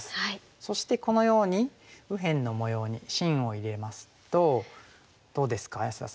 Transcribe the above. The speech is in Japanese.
そしてこのように右辺の模様に芯を入れますとどうですか安田さん